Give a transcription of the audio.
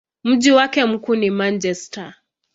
Mji wake mkuu ni Manchester.